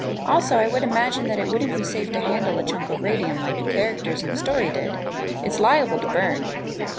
Also, I would imagine that it wouldn't be safe to handle a chunk of radium like the characters in the story did; it's liable to burn.